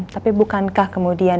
tapi bukankah kemudian